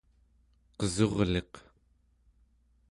qesurliq